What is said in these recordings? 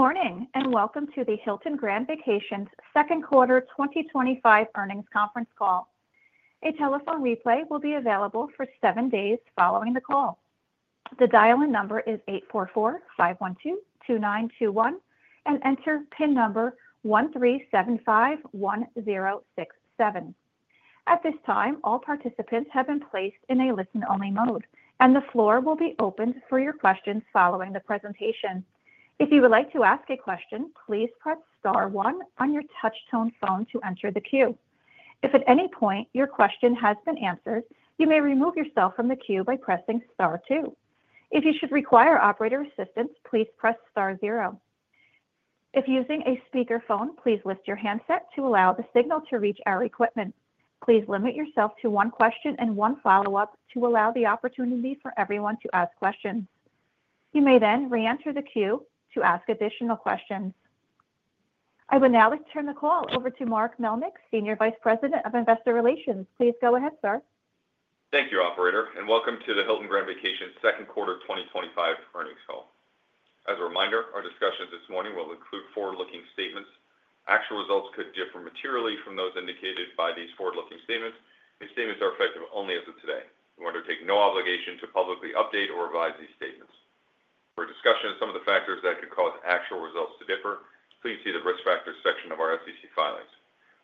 Good morning and welcome to the Hilton Grand Vacations second quarter 2025 earnings conference call. A telephone replay will be available for seven days following the call. The dial-in number is 844-512-2921 and enter PIN number 13751067. At this time, all participants have been placed in a listen-only mode, and the floor will be opened for your questions following the presentation. If you would like to ask a question, please press star one on your touch-tone phone to enter the queue. If at any point your question has been answered, you may remove yourself from the queue by pressing star two. If you should require operator assistance, please press star zero. If using a speaker phone, please lift your handset to allow the signal to reach our equipment. Please limit yourself to one question and one follow-up to allow the opportunity for everyone to ask questions. You may then re-enter the queue to ask additional questions. I will now turn the call over to Mark Melnyk, Senior Vice President of Investor Relations. Please go ahead, sir. Thank you, Operator, and welcome to the Hilton Grand Vacations second quarter 2025 earnings call. As a reminder, our discussion this morning will include forward-looking statements. Actual results could differ materially from those indicated by these forward-looking statements. These statements are effective only as of today. We take no obligation to publicly update or revise these statements. For a discussion of some of the factors that could cause actual results to differ, please see the risk factors section of our SEC filings.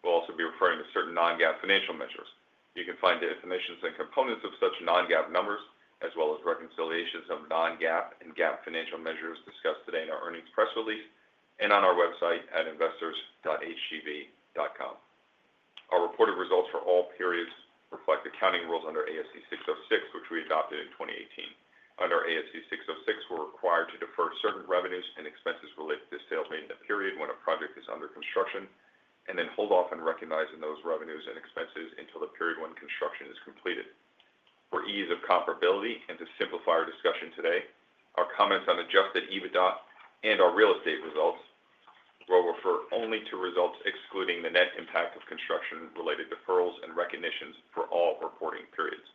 We will also be referring to certain non-GAAP financial measures. You can find the information and components of such non-GAAP numbers, as well as reconciliations of non-GAAP and GAAP financial measures discussed today in our earnings press release and on our website at investors.hgv.com. Our reported results for all periods reflect accounting rules under ASC 606, which we adopted in 2018. Under ASC 606, we are required to defer certain revenues and expenses related to the sales maintenance period when a project is under construction and then hold off on recognizing those revenues and expenses until the period when construction is completed. For ease of comparability and to simplify our discussion today, our comments on adjusted EBITDA and our real estate results will refer only to results excluding the net impact of construction-related deferrals and recognitions for all reporting periods.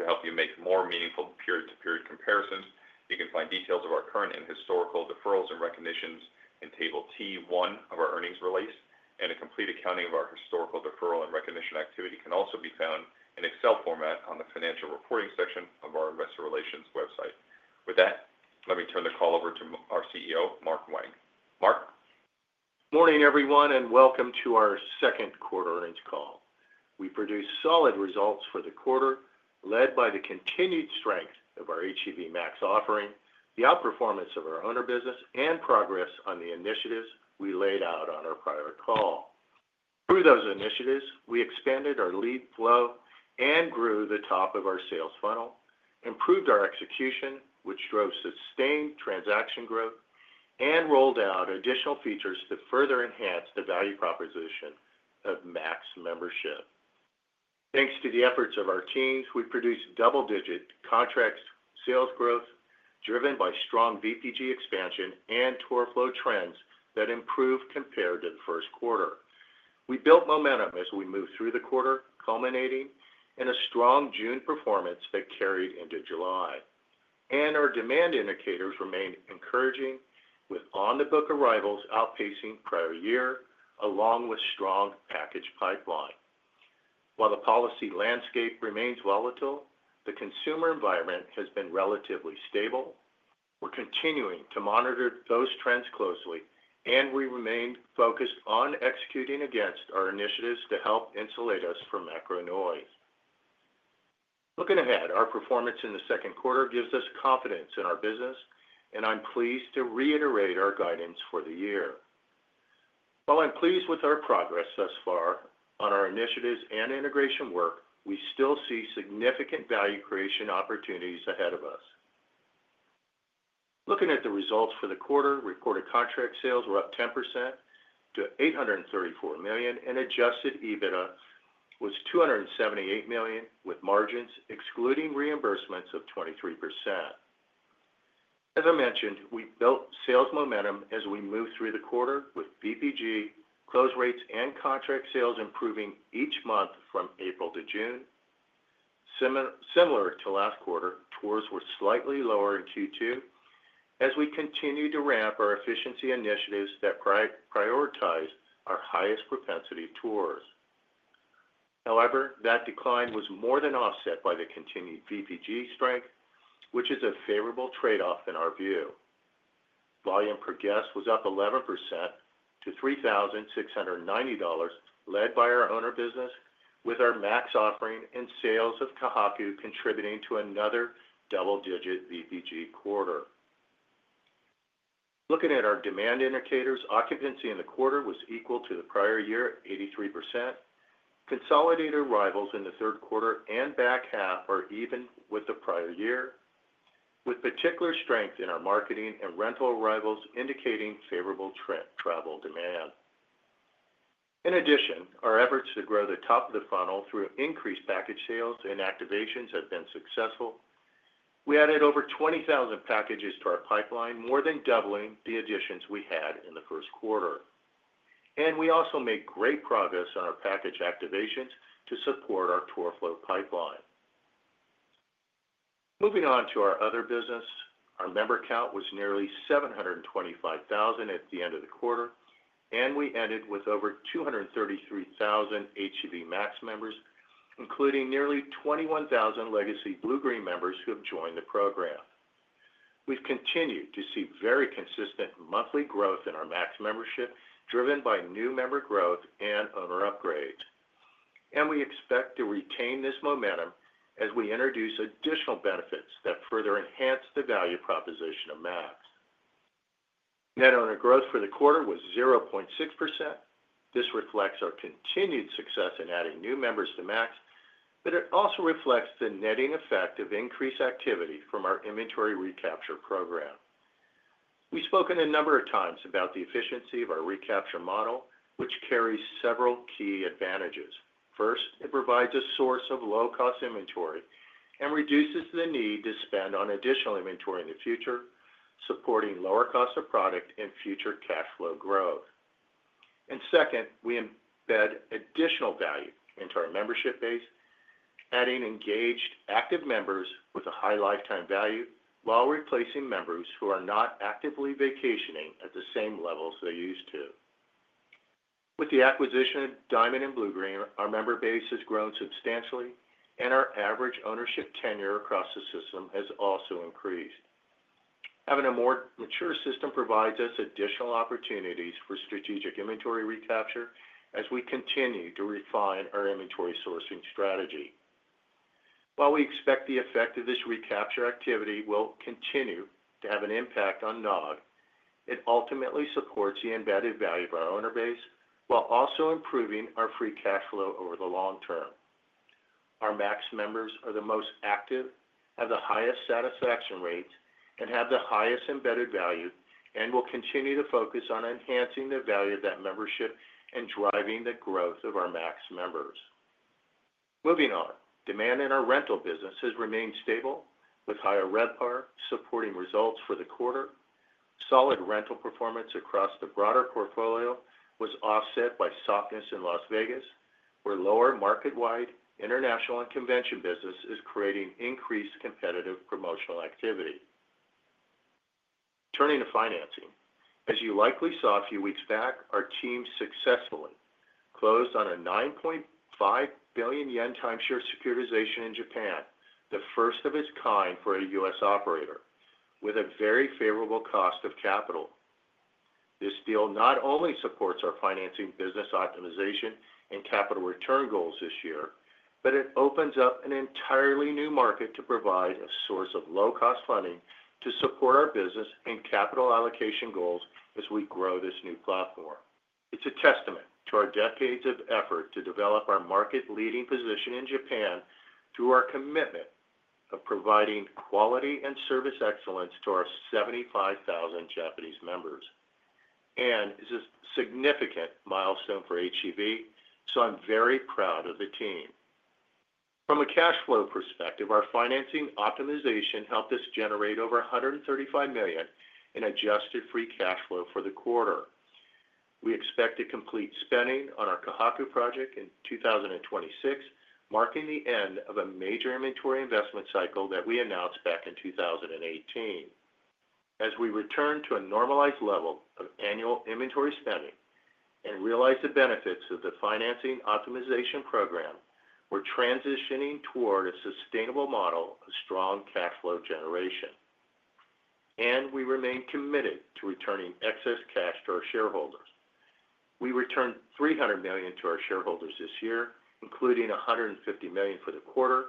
To help you make more meaningful period-to-period comparisons, you can find details of our current and historical deferrals and recognitions in Table T1 of our earnings release, and a complete accounting of our historical deferral and recognition activity can also be found in Excel format on the financial reporting section of our investor relations website. With that, let me turn the call over to our CEO, Mark Wang. Mark. Morning everyone and welcome to our second quarter earnings call. We produced solid results for the quarter, led by the continued strength of our HGV Max offering, the outperformance of our owner business, and progress on the initiatives we laid out on our prior call. Through those initiatives, we expanded our lead flow and grew the top of our sales funnel, improved our execution, which drove sustained transaction growth, and rolled out additional features to further enhance the value proposition of Max membership. Thanks to the efforts of our teams, we produced double-digit contract sales growth driven by strong VPG expansion and tour flow trends that improved compared to the first quarter. We built momentum as we moved through the quarter, culminating in a strong June performance that carried into July. Our demand indicators remained encouraging, with on-the-book arrivals outpacing prior year, along with a strong package pipeline. While the policy landscape remains volatile, the consumer environment has been relatively stable. We're continuing to monitor those trends closely, and we remain focused on executing against our initiatives to help insulate us from macro noise. Looking ahead, our performance in the second quarter gives us confidence in our business, and I'm pleased to reiterate our guidance for the year. While I'm pleased with our progress thus far on our initiatives and integration work, we still see significant value creation opportunities ahead of us. Looking at the results for the quarter, recorded contract sales were up 10% to $834 million, and adjusted EBITDA was $278 million, with margins excluding reimbursements of 23%. As I mentioned, we built sales momentum as we moved through the quarter, with VPG, close rates, and contract sales improving each month from April to June. Similar to last quarter, tours were slightly lower in Q2 as we continued to ramp our efficiency initiatives that prioritize our highest propensity tours. However, that decline was more than offset by the continued VPG strength, which is a favorable trade-off in our view. Volume per guest was up 11% to $3,690, led by our owner business, with our Max offering and sales of Ka Haku contributing to another double-digit VPG quarter. Looking at our demand indicators, occupancy in the quarter was equal to the prior year, 83%. Consolidated arrivals in the third quarter and back half are even with the prior year, with particular strength in our marketing and rental arrivals, indicating favorable travel demand. In addition, our efforts to grow the top of the funnel through increased package sales and activations have been successful. We added over 20,000 packages to our pipeline, more than doubling the additions we had in the first quarter. We also made great progress on our package activations to support our tour flow pipeline. Moving on to our other business, our member count was nearly 725,000 at the end of the quarter, and we ended with over 233,000 HGV Max members, including nearly 21,000 legacy Bluegreen Vacations members who have joined the program. We've continued to see very consistent monthly growth in our Max membership, driven by new member growth and owner upgrades. We expect to retain this momentum as we introduce additional benefits that further enhance the value proposition of Max. Net owner growth for the quarter was 0.6%. This reflects our continued success in adding new members to Max, but it also reflects the netting effect of increased activity from our inventory recapture program. We've spoken a number of times about the efficiency of our recapture model, which carries several key advantages. First, it provides a source of low-cost inventory and reduces the need to spend on additional inventory in the future, supporting lower costs of product and future cash flow growth. Second, we embed additional value into our membership base, adding engaged active members with a high lifetime value while replacing members who are not actively vacationing at the same levels they used to. With the acquisition of Diamond Resorts and Bluegreen Vacations, our member base has grown substantially, and our average ownership tenure across the system has also increased. Having a more mature system provides us additional opportunities for strategic inventory recapture as we continue to refine our inventory sourcing strategy. While we expect the effect of this recapture activity will continue to have an impact on NOG, it ultimately supports the embedded value of our owner base while also improving our free cash flow over the long term. Our Max members are the most active, have the highest satisfaction rates, and have the highest embedded value. We will continue to focus on enhancing the value of that membership and driving the growth of our Max members. Moving on, demand in our rental business has remained stable, with higher RevPAR supporting results for the quarter. Solid rental performance across the broader portfolio was offset by softness in Las Vegas, where lower market-wide international and convention business is creating increased competitive promotional activity. Turning to financing, as you likely saw a few weeks back, our team successfully closed on a Yen 9.5 billion timeshare securitization in Japan, the first of its kind for a U.S. operator, with a very favorable cost of capital. This deal not only supports our financing business optimization and capital return goals this year, but it opens up an entirely new market to provide a source of low-cost funding to support our business and capital allocation goals as we grow this new platform. It is a testament to our decades of effort to develop our market-leading position in Japan through our commitment of providing quality and service excellence to our 75,000 Japanese members. It is a significant milestone for HGV, so I am very proud of the team. From a cash flow perspective, our financing optimization helped us generate over $135 million in adjusted free cash flow for the quarter. We expect to complete spending on our Ka Haku project in 2026, marking the end of a major inventory investment cycle that we announced back in 2018. As we return to a normalized level of annual inventory spending and realize the benefits of the financing optimization program, we are transitioning toward a sustainable model of strong cash flow generation. We remain committed to returning excess cash to our shareholders. We returned $300 million to our shareholders this year, including $150 million for the quarter,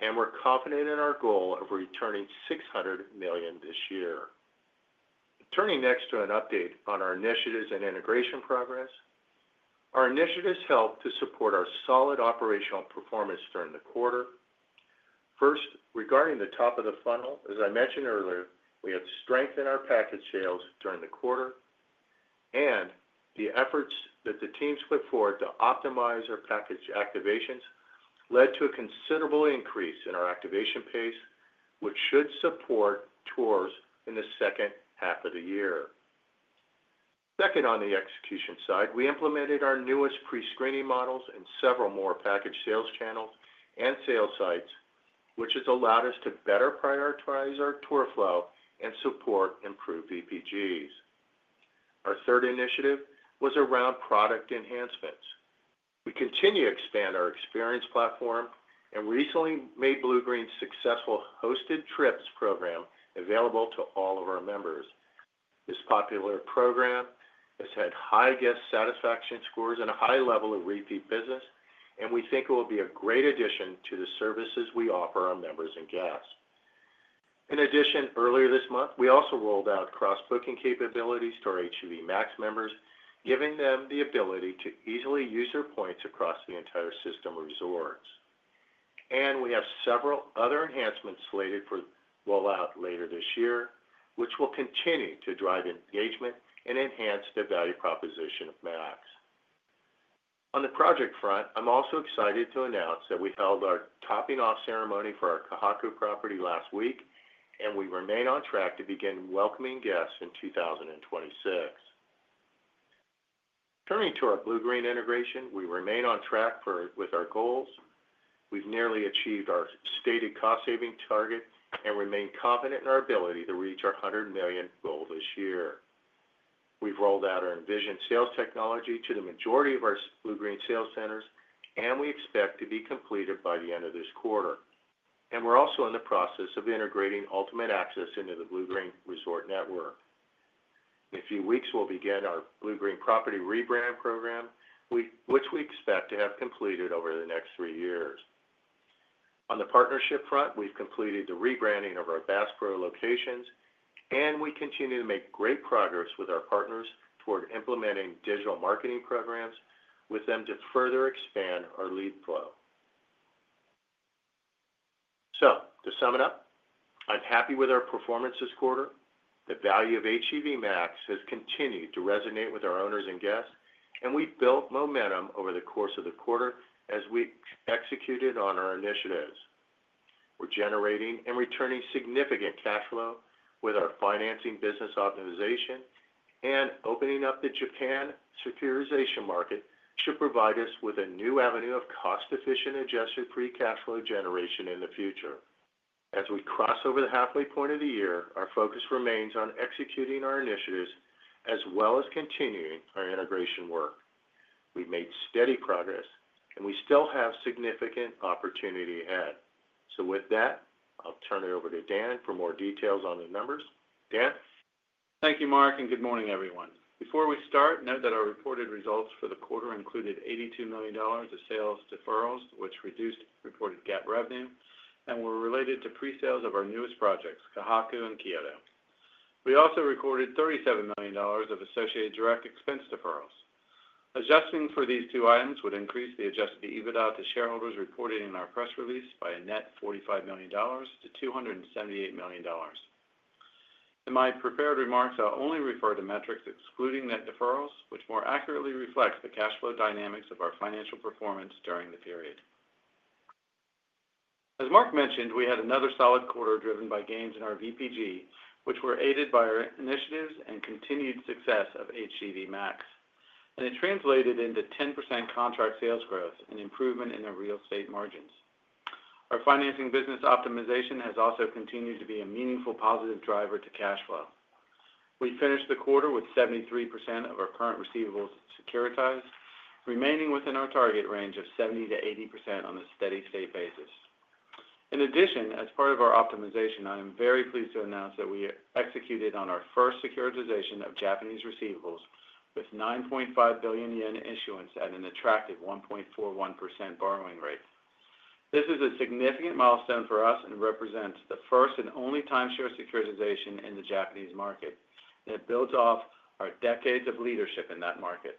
and we are confident in our goal of returning $600 million this year. Turning next to an update on our initiatives and integration progress, our initiatives help to support our solid operational performance during the quarter. First, regarding the top of the funnel, as I mentioned earlier, we had strength in our package sales during the quarter, and the efforts that the teams put forth to optimize our package activations led to a considerable increase in our activation pace, which should support tours in the second half of the year. Second, on the execution side, we implemented our newest prescreening models in several more package sales channels and sales sites, which has allowed us to better prioritize our tour flow and support improved VPGs. Our third initiative was around product enhancements. We continue to expand our experience platform and recently made Bluegreen Vacations's successful Hosted Trips program available to all of our members. This popular program has had high guest satisfaction scores and a high level of repeat business, and we think it will be a great addition to the services we offer our members and guests. In addition, earlier this month, we also rolled out cross-booking capabilities to our HGV Max members, giving them the ability to easily use their points across the entire system resorts. We have several other enhancements slated for rollout later this year, which will continue to drive engagement and enhance the value proposition of Max. On the project front, I'm also excited to announce that we held our topping-off ceremony for our Ka Haku property last week, and we remain on track to begin welcoming guests in 2026. Turning to our Bluegreen Vacations integration, we remain on track with our goals. We've nearly achieved our stated cost-saving target and remain confident in our ability to reach our $100 million goal this year. We've rolled out our Envision sales technology to the majority of our Bluegreen Vacations sales centers, and we expect to be completed by the end of this quarter. We're also in the process of integrating Ultimate Access into the Bluegreen Vacations resort network. In a few weeks, we'll begin our Bluegreen Vacations property rebrand program, which we expect to have completed over the next three years. On the partnership front, we've completed the rebranding of our Bass Pro Shops locations, and we continue to make great progress with our partners toward implementing digital marketing programs with them to further expand our lead flow. To sum it up, I'm happy with our performance this quarter. The value of HGV Max has continued to resonate with our owners and guests, and we built momentum over the course of the quarter as we executed on our initiatives. We're generating and returning significant cash flow with our financing business optimization, and opening up the Japan securitization market should provide us with a new avenue of cost-efficient adjusted free cash flow generation in the future. As we cross over the halfway point of the year, our focus remains on executing our initiatives as well as continuing our integration work. We've made steady progress, and we still have significant opportunity ahead. With that, I'll turn it over to Dan for more details on the numbers. Dan. Thank you, Mark, and good morning, everyone. Before we start, note that our reported results for the quarter included $82 million of sales deferrals, which reduced reported GAAP revenue, and were related to pre-sales of our newest projects, Ka Haku and Kyoto. We also recorded $37 million of associated direct expense deferrals. Adjusting for these two items would increase the adjusted EBITDA to shareholders reported in our press release by a net $45 million-$278 million. In my prepared remarks, I'll only refer to metrics excluding net deferrals, which more accurately reflect the cash flow dynamics of our financial performance during the period. As Mark mentioned, we had another solid quarter driven by gains in our VPG, which were aided by our initiatives and continued success of HGV Max. It translated into 10% contract sales growth and improvement in our real estate margins. Our financing business optimization has also continued to be a meaningful positive driver to cash flow. We finished the quarter with 73% of our current receivables securitized, remaining within our target range of 70%-80% on a steady state basis. In addition, as part of our optimization, I am very pleased to announce that we executed on our first securitization of Japanese receivables with Yen 9.5 billion issuance at an attractive 1.41% borrowing rate. This is a significant milestone for us and represents the first and only timeshare securitization in the Japanese market that builds off our decades of leadership in that market.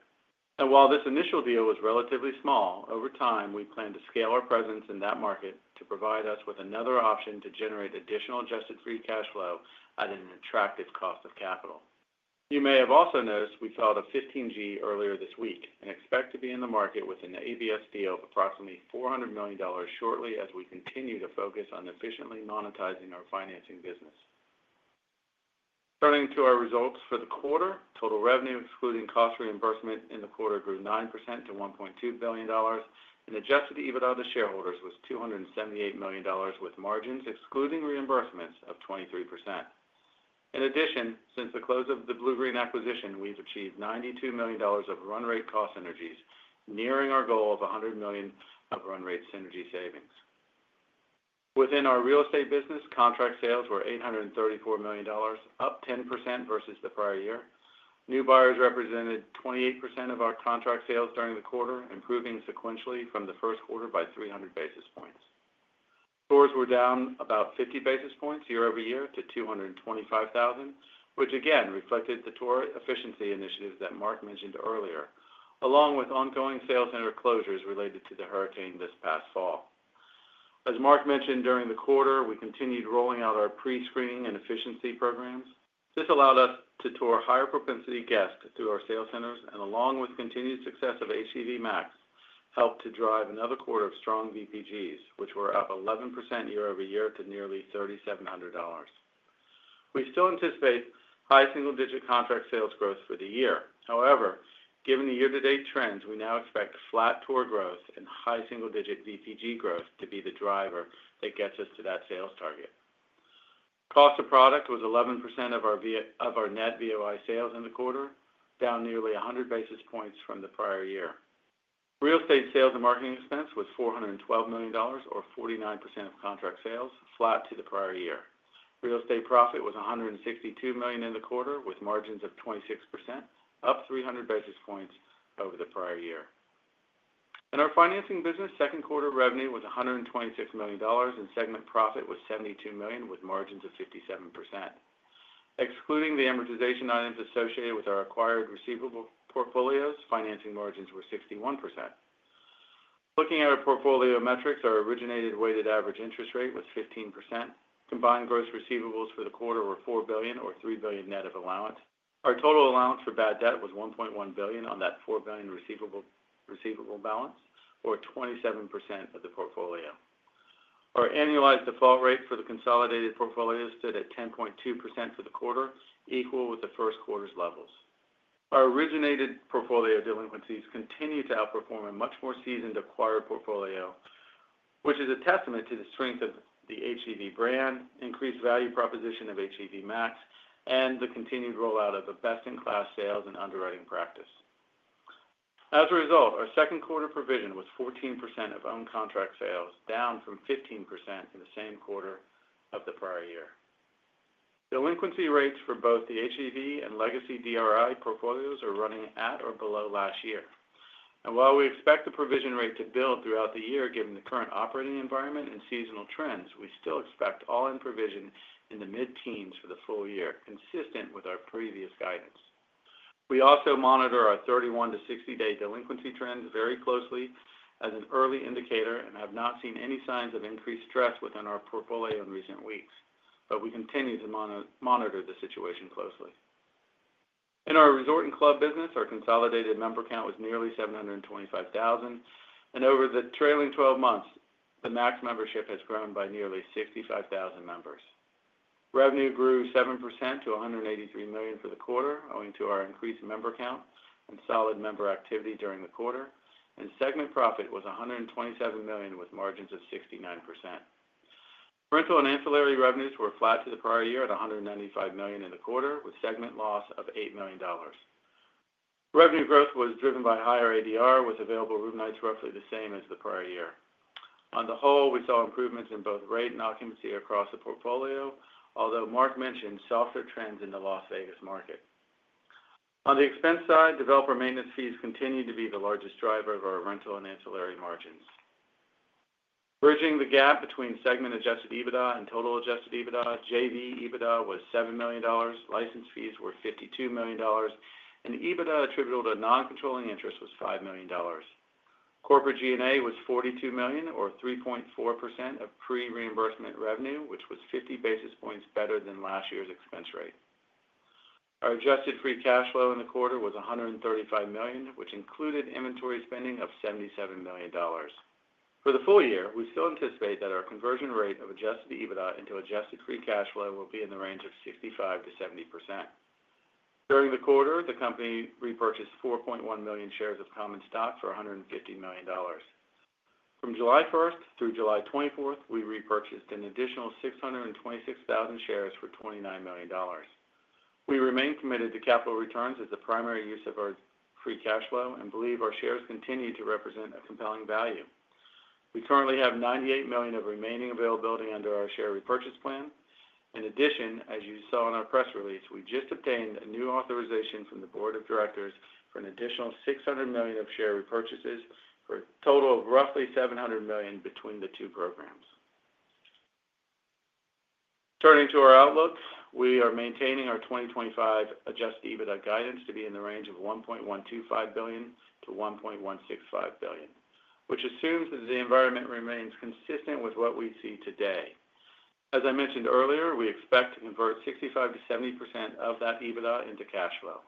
While this initial deal was relatively small, over time, we plan to scale our presence in that market to provide us with another option to generate additional adjusted free cash flow at an attractive cost of capital. You may have also noticed we filed a 15G earlier this week and expect to be in the market with an ABS deal of approximately $400 million shortly as we continue to focus on efficiently monetizing our financing business. Turning to our results for the quarter, total revenue excluding cost reimbursement in the quarter grew 9% to $1.2 billion, and adjusted EBITDA to shareholders was $278 million with margins excluding reimbursements of 23%. In addition, since the close of the Bluegreen Vacations acquisition, we've achieved $92 million of run-rate cost synergies, nearing our goal of $100 million of run-rate synergy savings. Within our real estate business, contract sales were $834 million, up 10% versus the prior year. New buyers represented 28% of our contract sales during the quarter, improving sequentially from the first quarter by 300 basis points. Tours were down about 50 basis points year over year to 225,000, which again reflected the tour efficiency initiatives that Mark mentioned earlier, along with ongoing sales center closures related to the hurricane this past fall. As Mark mentioned during the quarter, we continued rolling out our prescreening and efficiency programs. This allowed us to tour higher propensity guests through our sales centers, and along with continued success of HGV Max, helped to drive another quarter of strong VPGs, which were up 11% year over year to nearly $3,700. We still anticipate high single-digit contract sales growth for the year. However, given the year-to-date trends, we now expect flat tour growth and high single-digit VPG growth to be the driver that gets us to that sales target. Cost of product was 11% of our net VOI sales in the quarter, down nearly 100 basis points from the prior year. Real estate sales and marketing expense was $412 million, or 49% of contract sales, flat to the prior year. Real estate profit was $162 million in the quarter, with margins of 26%, up 300 basis points over the prior year. In our financing business, second quarter revenue was $126 million, and segment profit was $72 million, with margins of 57%. Excluding the amortization items associated with our acquired receivable portfolios, financing margins were 61%. Looking at our portfolio metrics, our originated weighted average interest rate was 15%. Combined gross receivables for the quarter were $4 billion, or $3 billion net of allowance. Our total allowance for bad debt was $1.1 billion on that $4 billion receivable balance, or 27% of the portfolio. Our annualized default rate for the consolidated portfolio stood at 10.2% for the quarter, equal with the first quarter's levels. Our originated portfolio delinquencies continue to outperform a much more seasoned acquired portfolio, which is a testament to the strength of the HGV brand, increased value proposition of HGV Max, and the continued rollout of the best-in-class sales and underwriting practice. As a result, our second quarter provision was 14% of owned contract sales, down from 15% in the same quarter of the prior year. Delinquency rates for both the HGV and legacy Diamond Resorts portfolios are running at or below last year. While we expect the provision rate to build throughout the year, given the current operating environment and seasonal trends, we still expect all-in provision in the mid-teens for the full year, consistent with our previous guidance. We also monitor our 31 to 60-day delinquency trends very closely as an early indicator and have not seen any signs of increased stress within our portfolio in recent weeks, but we continue to monitor the situation closely. In our resort and club business, our consolidated member count was nearly 725,000, and over the trailing 12 months, the Max membership has grown by nearly 65,000 members. Revenue grew 7% to $183 million for the quarter, owing to our increased member count and solid member activity during the quarter, and segment profit was $127 million, with margins of 69%. Rental and ancillary revenues were flat to the prior year at $195 million in the quarter, with segment loss of $8 million. Revenue growth was driven by higher ADR, with available room nights roughly the same as the prior year. On the whole, we saw improvements in both rate and occupancy across the portfolio, although Mark mentioned softer trends in the Las Vegas market. On the expense side, developer maintenance fees continue to be the largest driver of our rental and ancillary margins. Bridging the gap between segment-adjusted EBITDA and total adjusted EBITDA, JV EBITDA was $7 million, license fees were $52 million, and EBITDA attributable to non-controlling interest was $5 million. Corporate G&A was $42 million, or 3.4% of pre-reimbursement revenue, which was 50 basis points better than last year's expense rate. Our adjusted free cash flow in the quarter was $135 million, which included inventory spending of $77 million. For the full year, we still anticipate that our conversion rate of adjusted EBITDA into adjusted free cash flow will be in the range of 65 to 70%. During the quarter, the company repurchased 4.1 million shares of common stock for $150 million. From July 1st through July 24th, we repurchased an additional 626,000 shares for $29 million. We remain committed to capital returns as the primary use of our free cash flow and believe our shares continue to represent a compelling value. We currently have $98 million of remaining availability under our share repurchase plan. In addition, as you saw in our press release, we just obtained a new authorization from the Board of Directors for an additional $600 million of share repurchases for a total of roughly $700 million between the two programs. Turning to our outlook, we are maintaining our 2025 adjusted EBITDA guidance to be in the range of $1.125 billion-$1.165 billion, which assumes that the environment remains consistent with what we see today. As I mentioned earlier, we expect to convert 65% to 70% of that EBITDA into cash flow.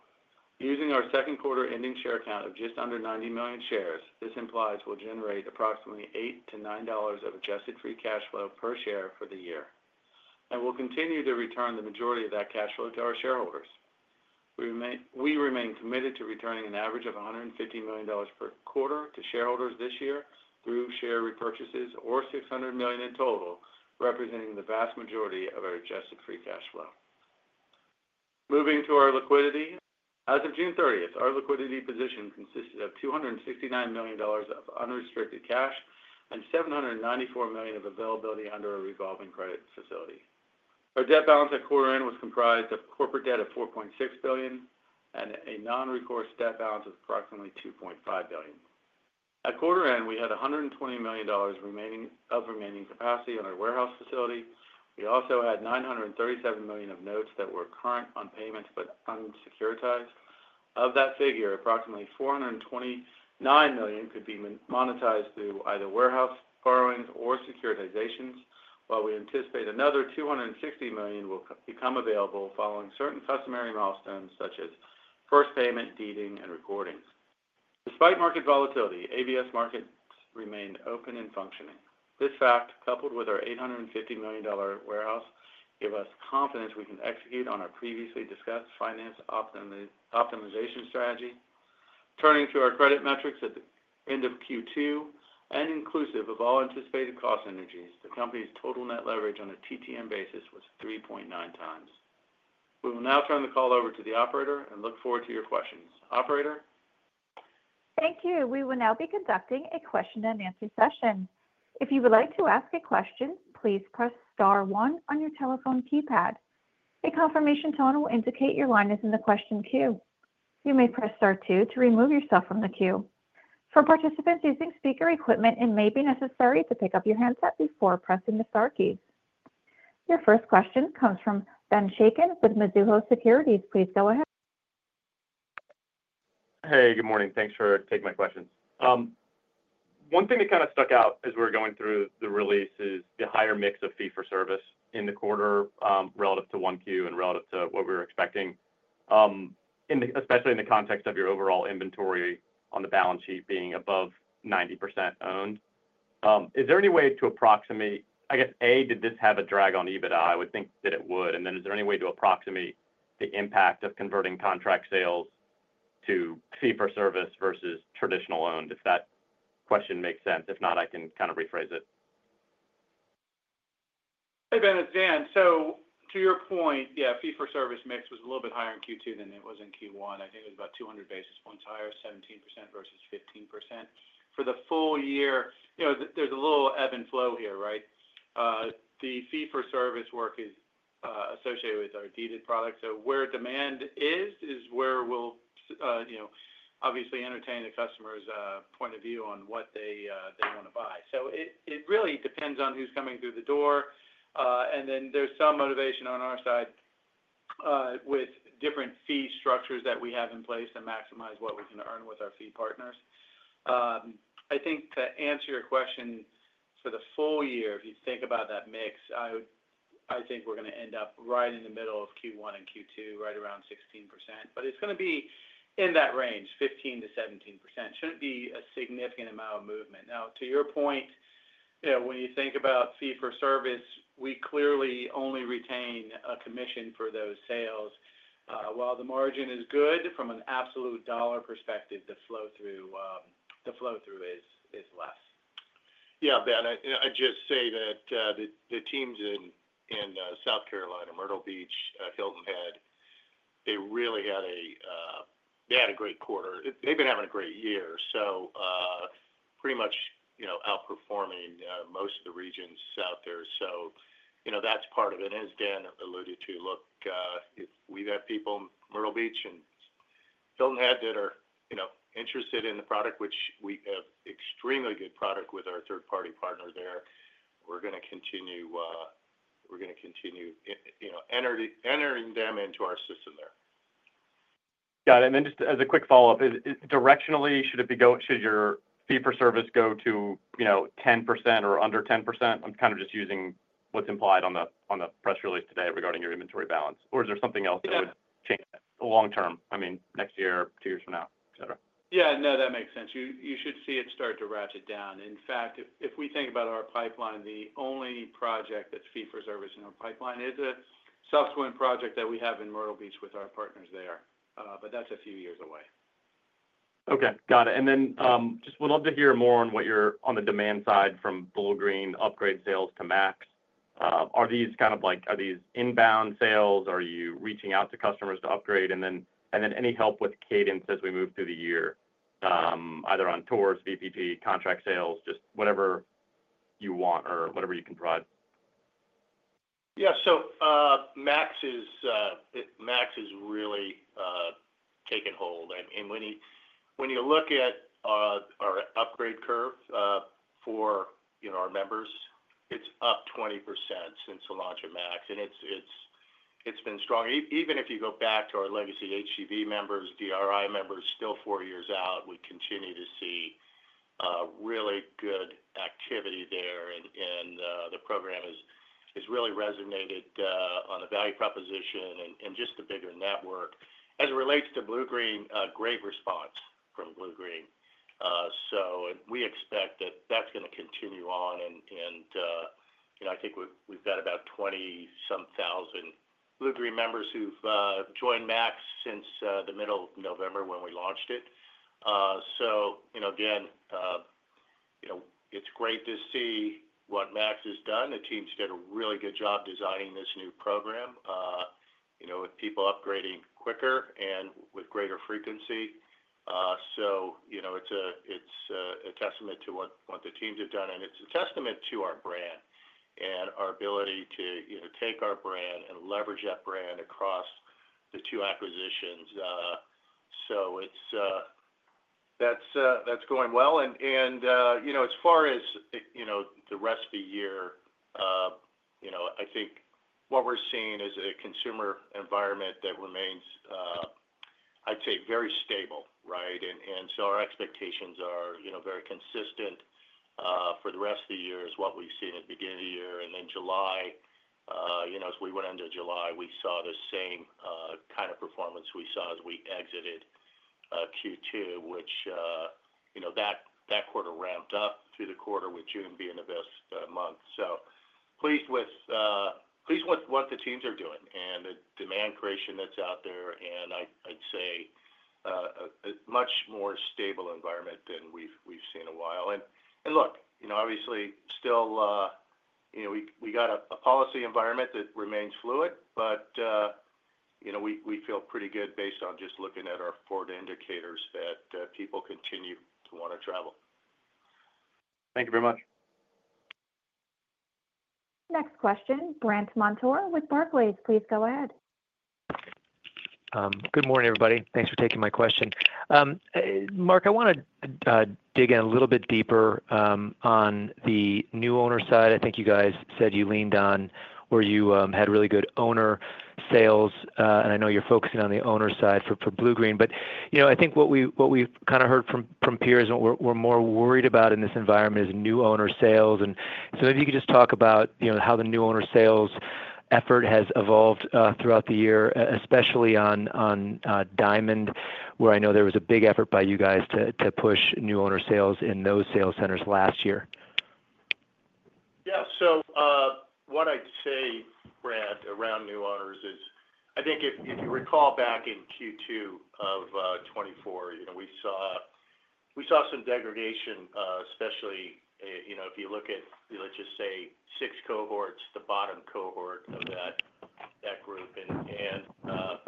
Using our second quarter ending share count of just under 90 million shares, this implies we'll generate approximately $8 to $9 of adjusted free cash flow per share for the year. We'll continue to return the majority of that cash flow to our shareholders. We remain committed to returning an average of $150 million per quarter to shareholders this year through share repurchases or $600 million in total, representing the vast majority of our adjusted free cash flow. Moving to our liquidity, as of June 30th, our liquidity position consisted of $269 million of unrestricted cash and $794 million of availability under a revolving credit facility. Our debt balance at quarter end was comprised of corporate debt of $4.6 billion and a non-recourse debt balance of approximately $2.5 billion. At quarter end, we had $120 million of remaining capacity in our warehouse facility. We also had $937 million of notes that were current on payments but unsecuritized. Of that figure, approximately $429 million could be monetized through either warehouse borrowings or securitizations, while we anticipate another $260 million will become available following certain customary milestones such as first payment, deeding, and recordings. Despite market volatility, ABS markets remained open and functioning. This fact, coupled with our $850 million warehouse, gave us confidence we can execute on our previously discussed finance optimization strategy. Turning to our credit metrics at the end of Q2, and inclusive of all anticipated cost synergies, the company's total net leverage on a TTM basis was 3.9 times. We will now turn the call over to the operator and look forward to your questions. Operator? Thank you. We will now be conducting a question and answer session. If you would like to ask a question, please press star one on your telephone keypad. A confirmation tone will indicate your line is in the question queue. You may press star two to remove yourself from the queue. For participants using speaker equipment, it may be necessary to pick up your handset before pressing the star keys. Your first question comes from Benjamin Chaiken with Mizuho Securities USA LLC. Please go ahead. Hey, good morning. Thanks for taking my questions. One thing that kind of stuck out as we were going through the release is the higher mix of fee-for-service in the quarter relative to Q1 and relative to what we were expecting, especially in the context of your overall inventory on the balance sheet being above 90% owned. Is there any way to approximate, I guess, A, did this have a drag on EBITDA? I would think that it would. Is there any way to approximate the impact of converting contract sales to fee-for-service versus traditional owned? If that question makes sense. If not, I can kind of rephrase it. Hey, Ben, it's Dan. To your point, fee-for-service mix was a little bit higher in Q2 than it was in Q1. I think it was about 200 basis points higher, 17% versus 15%. For the full year, you know there's a little ebb and flow here, right? The fee-for-service work is associated with our deeded product. Where demand is, is where we'll obviously entertain the customer's point of view on what they want to buy. It really depends on who's coming through the door. There is some motivation on our side, with different fee structures that we have in place to maximize what we can earn with our fee partners. I think to answer your question for the full year, if you think about that mix, I would think we're going to end up right in the middle of Q1 and Q2, right around 16%. It's going to be in that range, 15% to 17%. It shouldn't be a significant amount of movement. To your point, when you think about fee-for-service, we clearly only retain a commission for those sales. While the margin is good, from an absolute dollar perspective, the flow-through is less. Yeah, Ben, I'll just say that the teams in South Carolina, Myrtle Beach, Hilton Head, they really had a great quarter. They've been having a great year, pretty much outperforming most of the regions out there. That's part of it. As Dan alluded to, if we have people in Myrtle Beach and Hilton Head that are interested in the product, which we have extremely good product with our third-party partner there, we're going to continue entering them into our system there. Got it. Just as a quick follow-up, directionally, should your fee-for-service go to 10% or under 10%? I'm kind of just using what's implied on the press release today regarding your inventory balance. Is there something else that would change that long-term? I mean, next year, two years from now, etc. Yeah, no, that makes sense. You should see it start to ratchet down. In fact, if we think about our pipeline, the only project that's fee-for-service in our pipeline is a subsequent project that we have in Myrtle Beach with our partners there. That's a few years away. Okay. Got it. I would love to hear more on what you're on the demand side from Bluegreen Vacations upgrade sales to Max. Are these kind of like, are these inbound sales? Are you reaching out to customers to upgrade? Any help with cadence as we move through the year, either on tours, VPG, contract sales, just whatever you want or whatever you can provide? Yeah. Max is really taking hold. When you look at our upgrade curve for our members, it's up 20% since the launch of Max, and it's been strong. Even if you go back to our legacy HGV members, DRI members still four years out, we continue to see really good activity there. The program has really resonated on the value proposition and just the bigger network. As it relates to Bluegreen Vacations, a great response from Bluegreen Vacations, and we expect that that's going to continue on. I think we've got about 20-some thousand Bluegreen Vacations members who've joined Max since the middle of November when we launched it. It's great to see what Max has done. The teams did a really good job designing this new program, with people upgrading quicker and with greater frequency. It's a testament to what the teams have done, and it's a testament to our brand and our ability to take our brand and leverage that brand across the two acquisitions. That's going well. As far as the rest of the year, I think what we're seeing is a consumer environment that remains, I'd say, very stable, right? Our expectations are very consistent for the rest of the year with what we've seen at the beginning of the year. In July, as we went into July, we saw the same kind of performance we saw as we exited Q2, which, that quarter ramped up through the quarter with June being the best month. Pleased with what the teams are doing and the demand creation that's out there. I'd say a much more stable environment than we've seen in a while. Obviously, we still have a policy environment that remains fluid, but we feel pretty good based on just looking at our four indicators that people continue to want to travel. Thank you very much. Next question, Brandt Montour with Barclays. Please go ahead. Good morning, everybody. Thanks for taking my question. Mark, I want to dig in a little bit deeper on the new owner side. I think you guys said you leaned on or you had really good owner sales, and I know you're focusing on the owner side for Bluegreen Vacations. What we've kind of heard from peers and what we're more worried about in this environment is new owner sales. Maybe you could just talk about how the new owner sales effort has evolved throughout the year, especially on Diamond, where I know there was a big effort by you guys to push new owner sales in those sales centers last year. Yeah. What I'd say, Brad, around new owners is I think if you recall back in Q2 of 2024, you know, we saw some degradation, especially, you know, if you look at, let's just say, six cohorts, the bottom cohort of that group. I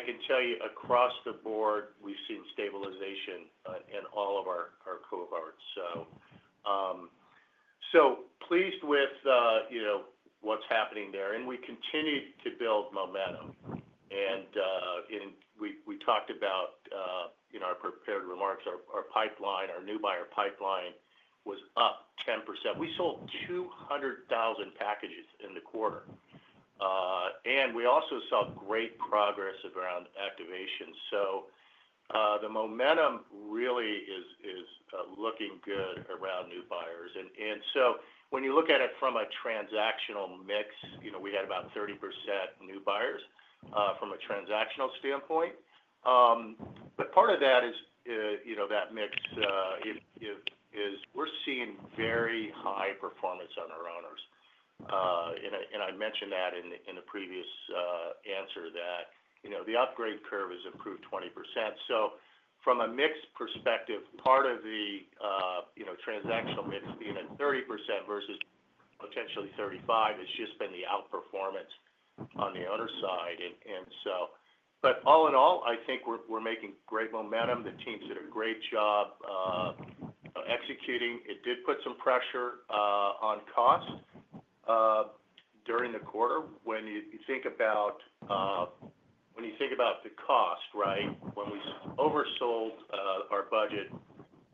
can tell you across the board, we've seen stabilization in all of our cohorts. So, pleased with what's happening there. We continued to build momentum. We talked about, in our prepared remarks, our pipeline, our new buyer pipeline was up 10%. We sold 200,000 packages in the quarter, and we also saw great progress around activation. The momentum really is looking good around new buyers. When you look at it from a transactional mix, we had about 30% new buyers from a transactional standpoint. Part of that is, you know, that mix. We're seeing very high performance on our owners. I mentioned that in the previous answer that, you know, the upgrade curve has improved 20%. From a mixed perspective, part of the transactional mix being at 30% versus potentially 35% has just been the outperformance on the owner side. All in all, I think we're making great momentum. The teams did a great job executing. It did put some pressure on cost during the quarter. When you think about the cost, right, when we oversold our budget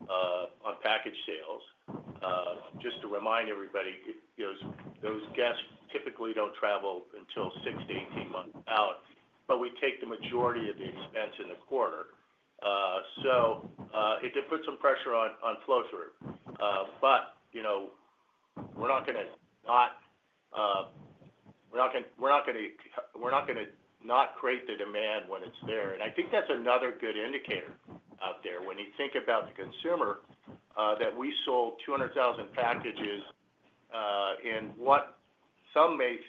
on package sales, just to remind everybody, those guests typically don't travel until 6 to 18 months out, but we take the majority of the expense in the quarter. It did put some pressure on flow-through, but, you know, we're not going to not create the demand when it's there. I think that's another good indicator out there. When you think about the consumer, that we sold 200,000 packages in what some may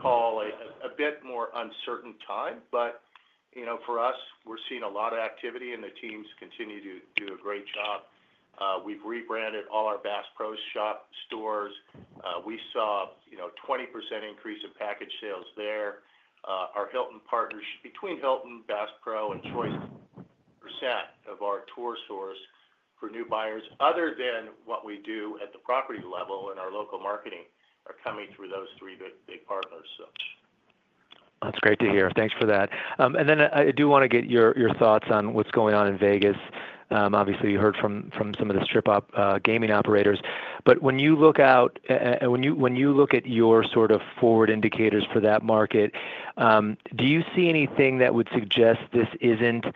call a bit more uncertain time. For us, we're seeing a lot of activity and the teams continue to do a great job. We've rebranded all our Bass Pro Shops stores. We saw a 20% increase in package sales there. Our Hilton partners between Hilton, Bass Pro Shops, and Choice percent of our tour source for new buyers, other than what we do at the property level and our local marketing, are coming through those three big partners. That's great to hear. Thanks for that. I do want to get your thoughts on what's going on in Las Vegas. Obviously, you heard from some of the strip-op, gaming operators. When you look at your sort of forward indicators for that market, do you see anything that would suggest this isn't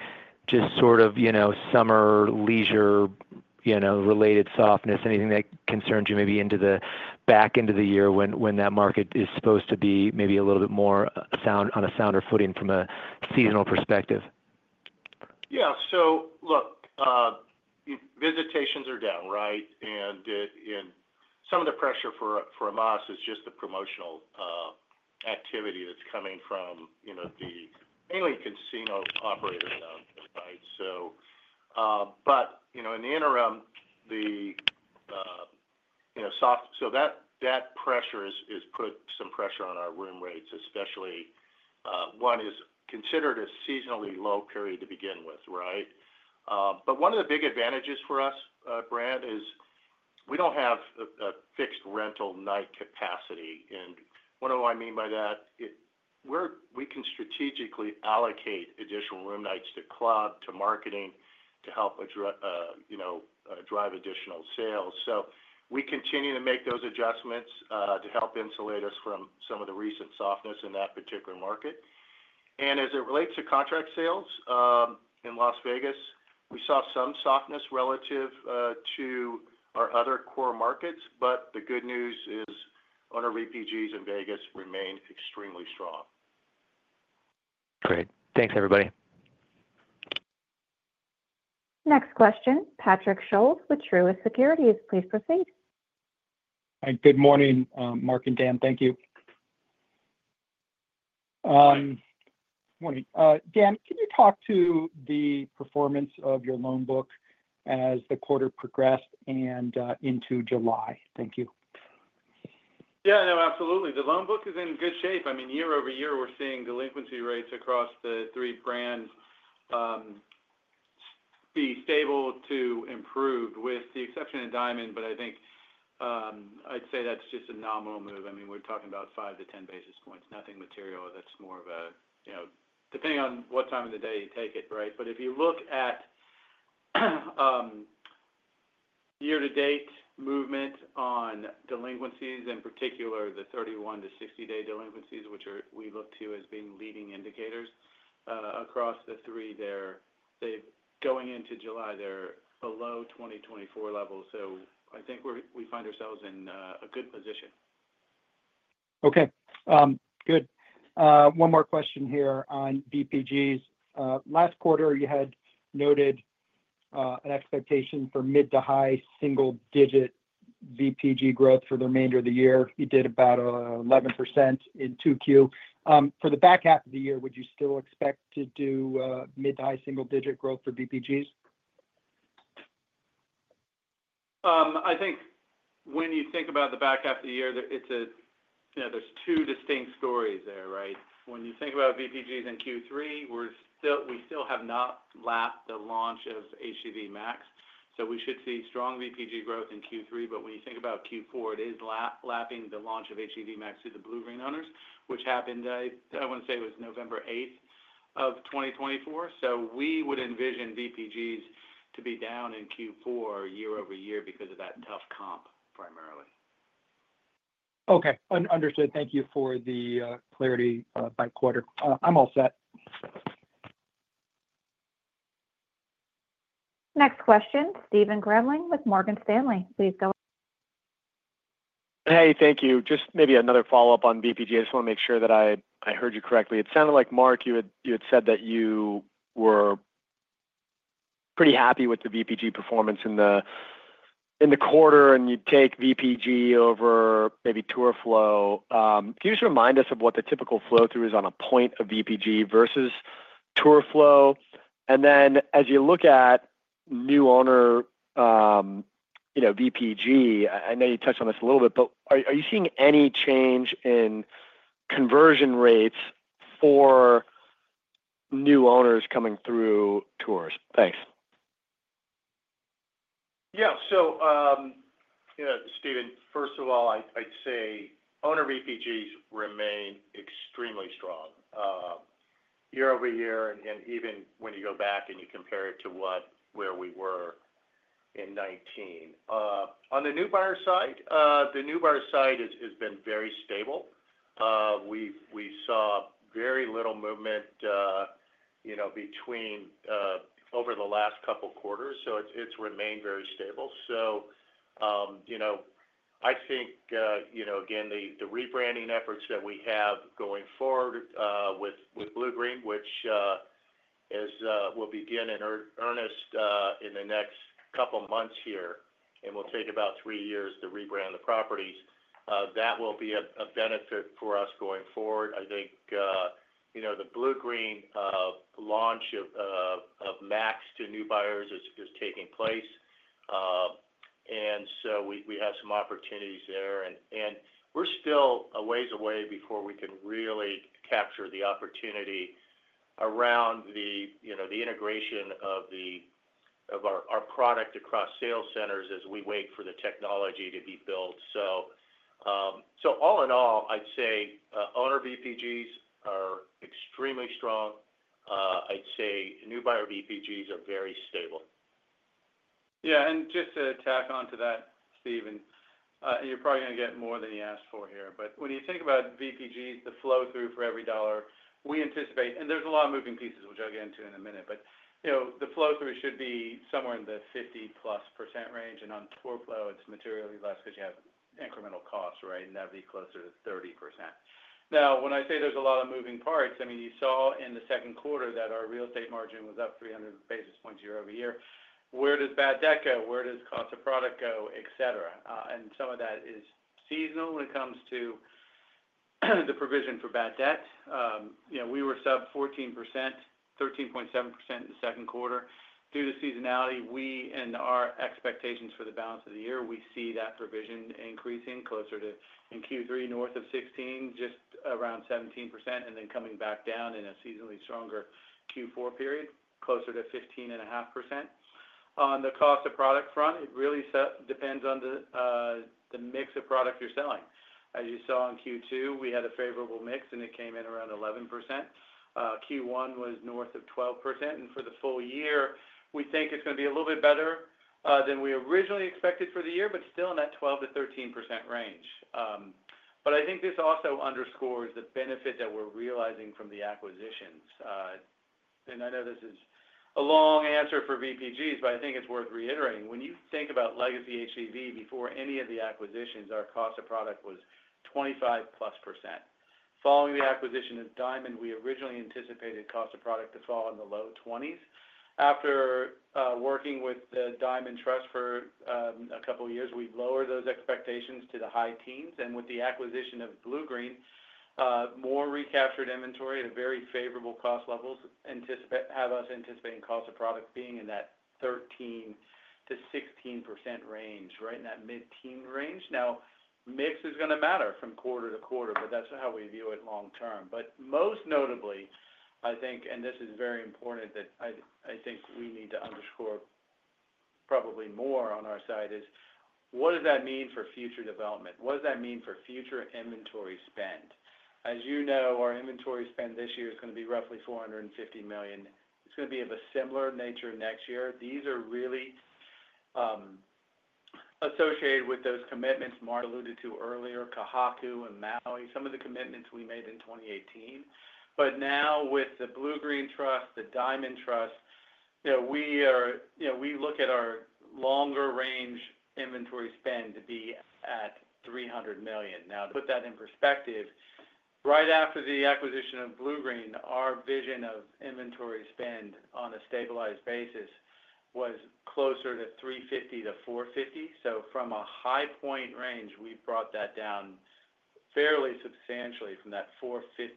just summer, leisure-related softness, anything that concerns you maybe into the back end of the year when that market is supposed to be maybe a little bit more sound on a sounder footing from a seasonal perspective? Yeah. Look, visitations are down, right? Some of the pressure for us is just the promotional activity that's coming from the mainly casino operators out there, right? In the interim, the soft, so that pressure has put some pressure on our room rates, especially since it is considered a seasonally low period to begin with, right? One of the big advantages for us, Brad, is we don't have a fixed rental night capacity. What do I mean by that? We can strategically allocate additional room nights to club, to marketing, to help address and drive additional sales. We continue to make those adjustments to help insulate us from some of the recent softness in that particular market. As it relates to contract sales, in Las Vegas, we saw some softness relative to our other core markets, but the good news is owner VPGs in Vegas remain extremely strong. Great. Thanks, everybody. Next question, Patrick Scholes with Truist Securities. Please proceed. Hi, good morning, Mark and Dan. Thank you. Morning. Dan, can you talk to the performance of your loan book as the quarter progressed and into July? Thank you. Yeah, no, absolutely. The loan book is in good shape. I mean, year over year, we're seeing delinquency rates across the three brands be stable to improve, with the exception of Diamond. I'd say that's just a nominal move. I mean, we're talking about 5 to 10 basis points, nothing material. That's more of a, you know, depending on what time of the day you take it, right? If you look at year-to-date movement on delinquencies, in particular, the 31 to 60-day delinquencies, which we look to as being leading indicators, across the three, they're going into July, they're below 2024 levels. I think we find ourselves in a good position. Okay, good. One more question here on VPGs. Last quarter, you had noted an expectation for mid to high single-digit VPG growth for the remainder of the year. You did about 11% in Q2. For the back half of the year, would you still expect to do mid to high single-digit growth for VPGs? I think when you think about the back half of the year, there are two distinct stories there, right? When you think about VPGs in Q3, we still have not lapped the launch of HGV Max, so we should see strong VPG growth in Q3. When you think about Q4, it is lapping the launch of HGV Max to the Bluegreen Vacations owners, which happened, I want to say it was November 8, 2024. We would envision VPGs to be down in Q4 year over year because of that tough comp primarily. Okay. Understood. Thank you for the clarity about the quarter. I'm all set. Next question, Stephen Grambling with Morgan Stanley. Please go ahead. Hey, thank you. Just maybe another follow-up on VPG. I just want to make sure that I heard you correctly. It sounded like, Mark, you had said that you were pretty happy with the VPG performance in the quarter, and you'd take VPG over maybe TourFlow. Can you just remind us of what the typical flow-through is on a point of VPG versus TourFlow? As you look at new owner, you know, VPG, I know you touched on this a little bit, but are you seeing any change in conversion rates for new owners coming through tours? Thanks. Yeah. So, you know, Stephen, first of all, I'd say owner VPGs remain extremely strong year over year, and even when you go back and you compare it to where we were in 2019. On the new buyer side, the new buyer side has been very stable. We saw very little movement over the last couple of quarters. It's remained very stable. I think, again, the rebranding efforts that we have going forward with Bluegreen Vacations, which will begin in earnest in the next couple of months here and will take about three years to rebrand the properties, will be a benefit for us going forward. I think the Bluegreen Vacations launch of Max to new buyers is taking place, and we have some opportunities there. We're still a ways away before we can really capture the opportunity around the integration of our product across sales centers as we wait for the technology to be built. All in all, I'd say owner VPGs are extremely strong. I'd say new buyer VPGs are very stable. Yeah. Just to tack on to that, Stephen, and you're probably going to get more than you asked for here. When you think about VPGs, the flow-through for every dollar, we anticipate, and there's a lot of moving pieces we'll jump into in a minute, but the flow-through should be somewhere in the 50+% range. On TourFlow, it's materially less because you have incremental costs, right? That'd be closer to 30%. When I say there's a lot of moving parts, I mean, you saw in the second quarter that our real estate margin was up 300 basis points year over year. Where does bad debt go? Where does cost of product go, etc.? Some of that is seasonal when it comes to the provision for bad debt. We were sub 14%, 13.7% in the second quarter. Due to seasonality, we and our expectations for the balance of the year, we see that provision increasing closer to, in Q3, north of 16%, just around 17%. Then coming back down in a seasonally stronger Q4 period, closer to 15.5%. On the cost of product front, it really depends on the mix of product you're selling. As you saw in Q2, we had a favorable mix, and it came in around 11%. Q1 was north of 12%. For the full year, we think it's going to be a little bit better than we originally expected for the year, but still in that 12% to 13% range. I think this also underscores the benefit that we're realizing from the acquisitions. I know this is a long answer for VPGs, but I think it's worth reiterating. When you think about legacy HGV, before any of the acquisitions, our cost of product was 25+%. Following the acquisition of Diamond Resorts, we originally anticipated cost of product to fall in the low 20s. After working with the Diamond Trust for a couple of years, we've lowered those expectations to the high teens. With the acquisition of Bluegreen Vacations, more recaptured inventory at a very favorable cost level have us anticipating cost of product being in that 13% to 16% range, right? In that mid-teen range. Mix is going to matter from quarter to quarter, but that's how we view it long-term. Most notably, I think, and this is very important that I think we need to underscore probably more on our side, is what does that mean for future development? What does that mean for future inventory spend? As you know, our inventory spend this year is going to be roughly $450 million. It's going to be of a similar nature next year. These are really associated with those commitments Mark alluded to earlier, Ka Haku and Maui, some of the commitments we made in 2018. Now with the Bluegreen Vacations Trust, the Diamond Trust, we look at our longer-range inventory spend to be at $300 million. To put that in perspective, right after the acquisition of Bluegreen Vacations, our vision of inventory spend on a stabilized basis was closer to $350 million to $450 million. From a high point range, we brought that down fairly substantially from that $450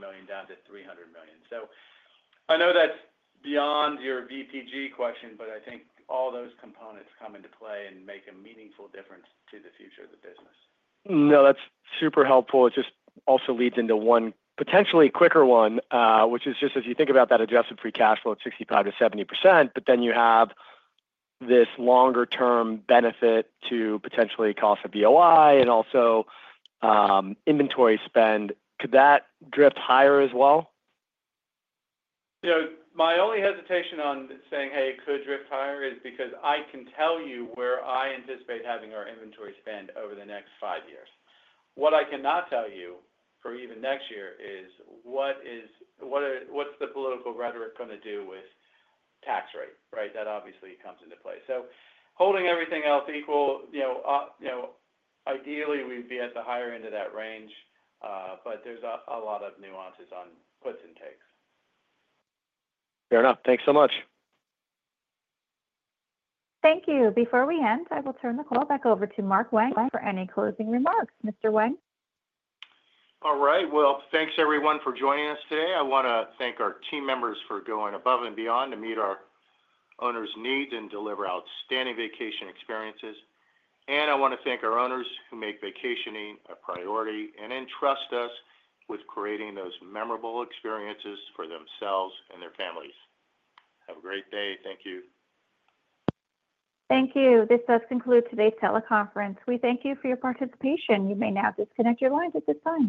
million down to $300 million. I know that's beyond your VPG question, but I think all those components come into play and make a meaningful difference to the future of the business. No, that's super helpful. It just also leads into one potentially quicker one, which is just as you think about that adjusted free cash flow at 65% to 70%, but then you have this longer-term benefit to potentially cost of VOI and also, inventory spend. Could that drift higher as well? Yeah. My only hesitation on saying, "Hey, could drift higher," is because I can tell you where I anticipate having our inventory spend over the next five years. What I cannot tell you for even next year is what is, what's the political rhetoric going to do with tax rate, right? That obviously comes into play. Holding everything else equal, ideally we'd be at the higher end of that range, but there's a lot of nuances on puts and takes. Fair enough. Thanks so much. Thank you. Before we end, I will turn the call back over to Mark Wang for any closing remarks. Mr. Wang? All right. Thank you everyone for joining us today. I want to thank our team members for going above and beyond to meet our owners' needs and deliver outstanding vacation experiences. I want to thank our owners who make vacationing a priority and entrust us with creating those memorable experiences for themselves and their families. Have a great day. Thank you. Thank you. This does conclude today's teleconference. We thank you for your participation. You may now disconnect your lines at this time.